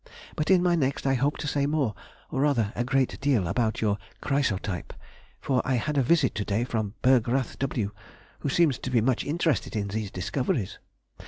But in my next I hope to say more, or rather a great deal about your "Chrysotype," for I had a visit to day from a Berg Rath W., who seems to be much interested in these discoveries....